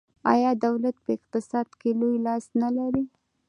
آیا دولت په اقتصاد کې لوی لاس نلري؟